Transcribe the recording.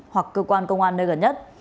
hoặc cơ quan công an nơi gần nhất